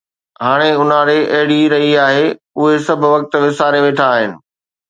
هاڻي اونهاري اهڙي ئي رهي آهي، اهي سڀ وقت وساري ويٺا آهن